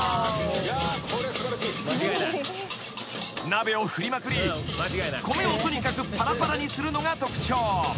［鍋を振りまくり米をとにかくぱらぱらにするのが特徴］